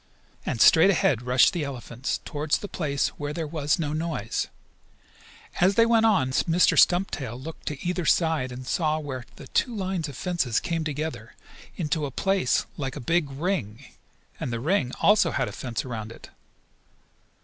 And straight ahead rushed the elephants, toward the place where there was no noise. As they went on Mr. Stumptail looked to either side and saw where the two lines of fence came together into a place like a big ring, and the ring also had a fence around it.